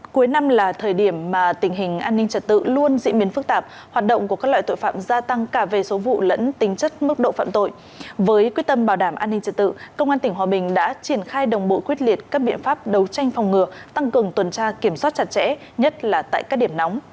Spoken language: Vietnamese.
cảm ơn các bạn đã theo dõi và hẹn gặp lại